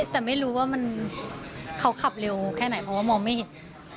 แต่ไม่รู้ว่าเขาขับเร็วแค่ไหนเพราะว่ามองไม่เห็น